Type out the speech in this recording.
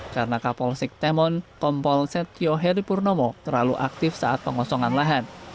karena kapol siktemon kompol setio heripurnomo terlalu aktif saat pengosongan lahan